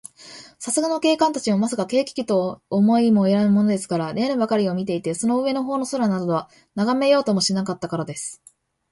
さすがの警官たちも、まさか、軽気球とは思いもよらぬものですから、屋根ばかりを見ていて、その上のほうの空などは、ながめようともしなかったからです。